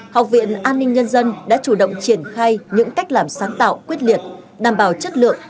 học viện an ninh nhân dân đã chủ động triển khai những cách làm sáng tạo quyết liệt đảm bảo chất lượng